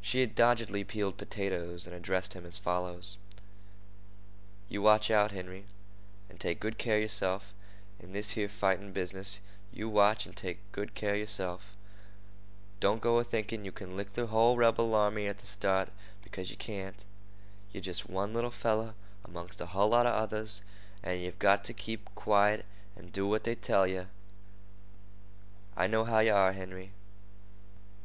She had doggedly peeled potatoes and addressed him as follows: "You watch out, Henry, an' take good care of yerself in this here fighting business—you watch, an' take good care of yerself. Don't go a thinkin' you can lick the hull rebel army at the start, because yeh can't. Yer jest one little feller amongst a hull lot of others, and yeh've got to keep quiet an' do what they tell yeh. I know how you are, Henry.